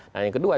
nah yang kedua